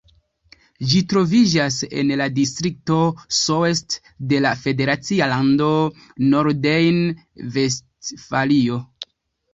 Ĝi troviĝas en la distrikto Soest de la federacia lando Nordrejn-Vestfalio.